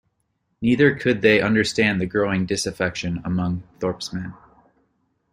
Neither could they understand the growing disaffection among Thorpe's men.